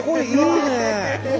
いいね！